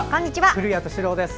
古谷敏郎です。